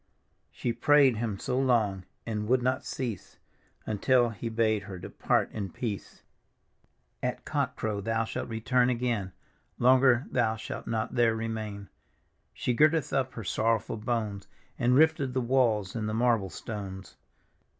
" She prayed Him so long and would not cease, Until He bade her depart in peace. " At cock crow thou shalt return again ; Longer thou shalt not there remain!" She girded up her sorrowful bones, And rifted the walls and the marble stones.